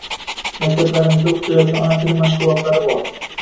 Maktablarimizda oʻqitilayotgan ona tili mashgʻulotlari bor